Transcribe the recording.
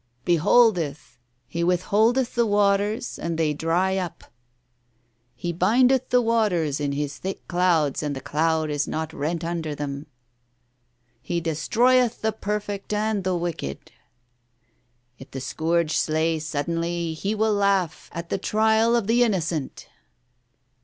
... Behold, He withholdeth the waters and they dry up. ... He bindeth the waters in His thick clouds, and the cloud is not rent under them. ... He destroyeth the perfect and the wicked. ... If the scourge slay suddenly, He will laugh at the trial of the innocent!